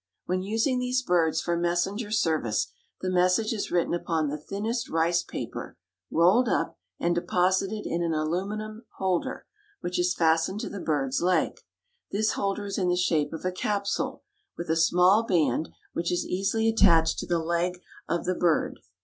When using these birds for messenger service the message is written upon the thinnest rice paper, rolled up and deposited in an aluminum holder, which is fastened to the bird's leg. This holder is in the shape of a capsule, with a small band which is easily attached to the leg of the bird.